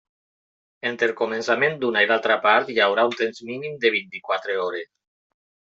Entre el començament d'una i l'altra part hi haurà un temps mínim de vint-i-quatre hores.